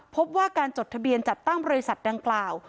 พบว่าการจดทะเบียนจัดตั้งบริษัทดังกล่าว